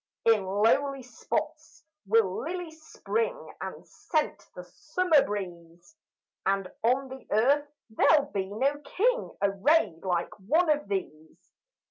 In lowly spots will lilies spring And scent the summer breeze, And on the earth there'll be no king Arrayed like one of these.